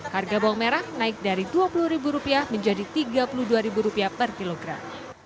harga bawang merah naik dari rp dua puluh menjadi rp tiga puluh dua per kilogram